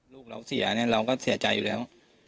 ลูกเราเสียเนี่ยเราก็เสียใจอยู่แล้ว